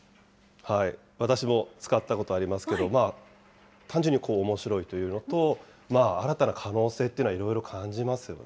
私も使ったことありますけど、単純におもしろいというのと、新たな可能性というのはいろいろ感じますよね。